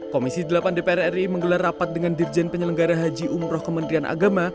komisi delapan dpr ri menggelar rapat dengan dirjen penyelenggara haji umroh kementerian agama